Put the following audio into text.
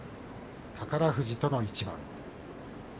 宝富士との一番。